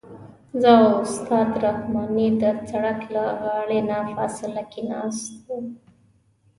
زه او استاد رحماني د سړک له غاړې نه فاصله کې ناست وو.